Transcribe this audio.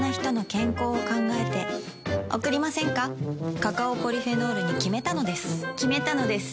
カカオポリフェノールに決めたのです決めたのです。